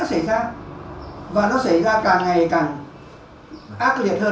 và nó xảy ra càng ngày càng ác liệt hơn